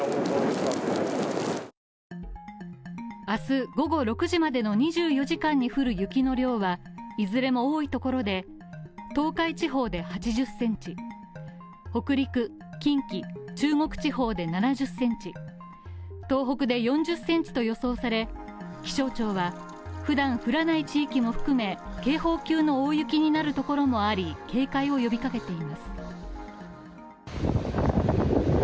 明日午後６時までの２４時間に降る雪の量はいずれも多いところで東海地方で８０ｃｍ、北陸・近畿・中国地方で７０ｃｍ、東北で４０ｃｍと予想され気象庁は、ふだん降らない地域も含め警報級の大雪になるところもあり警戒を呼びかけています。